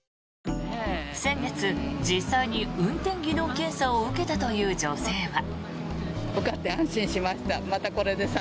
先月、実際に運転技能検査を受けたという女性は。